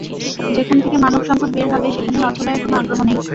যেখান থেকে মানব সম্পদ বের হবে, সেখানেই অর্থ ব্যয়ের কোনো আগ্রহ নেই।